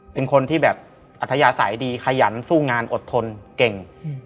เป็นคนที่แบบอัธยาศัยดีขยันสู้งานอดทนเก่ง